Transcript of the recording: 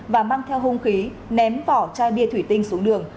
và mang theo hung khí ném vỏ chai bia thủy tinh xuống đường